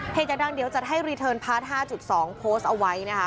เพลงจะดังเดี๋ยวจะให้รีเทิร์นพาร์ทห้าจุดสองเอาไว้นะคะ